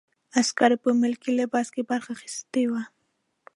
عسکرو په ملکي لباس کې برخه اخیستې وه.